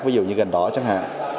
ví dụ như gành đỏ chẳng hạn